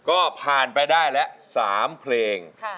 ก็ผ่านไปได้แล้ว๓เพลง